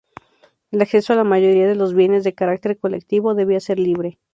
El acceso a la mayoría de los bienes, de carácter colectivo, debía ser libre.